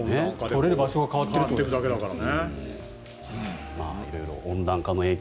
取れる場所が変わっているということだから。